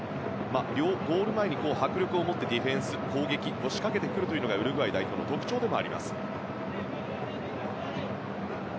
両ゴール前に迫力を持ってディフェンス、攻撃を仕掛けてくるというのもウルグアイ代表の特徴です。